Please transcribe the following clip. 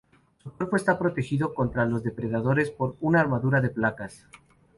Su cuerpo está protegido contra los depredadores por una armadura de placas.